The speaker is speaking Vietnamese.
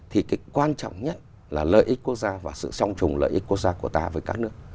thì cái quan trọng nhất là lợi ích quốc gia và sự song trùng lợi ích quốc gia của ta với các nước